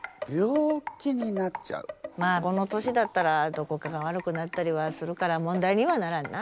まあこの年だったらどこかが悪くなったりはするから問題にはならんな。